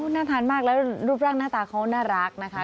น่าทานมากแล้วรูปร่างหน้าตาเขาน่ารักนะคะ